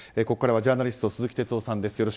ここからはジャーナリスト鈴木哲夫さんです。